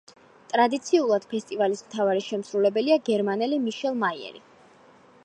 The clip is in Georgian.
ტრადიციულად, ფესტივალის მთავარი შემსრულებელია გერმანელი მიშელ მაიერი.